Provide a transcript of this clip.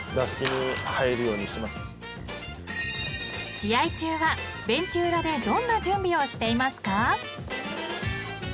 ［試合中はベンチ裏でどんな準備をしていますか？］